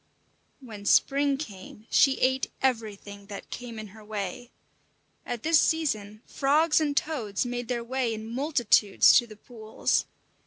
When spring came she ate everything that came in her way. At this season frogs and toads made their way in multitudes to the pools.